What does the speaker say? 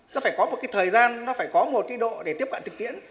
nó phải có một cái thời gian nó phải có một cái độ để tiếp cận thực tiễn